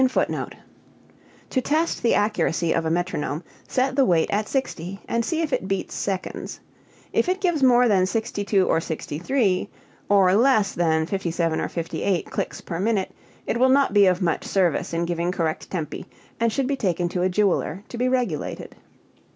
[Footnote 25: To test the accuracy of a metronome, set the weight at 60 and see if it beats seconds. If it gives more than 62 or 63 or less than 57 or 58 clicks per minute it will not be of much service in giving correct tempi and should be taken to a jeweller to be regulated.